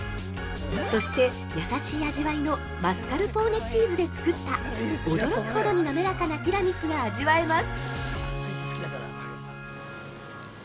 そして、優しい味わいのマスカルポーネチーズで作った驚くほどに滑らかなティラミスが味わえます。